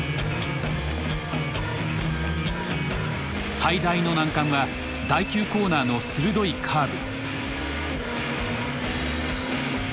最大の難関は第９コーナーの鋭いカーブ。